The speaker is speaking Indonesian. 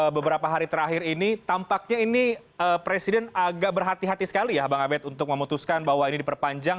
beberapa hari terakhir ini tampaknya ini presiden agak berhati hati sekali ya bang abed untuk memutuskan bahwa ini diperpanjang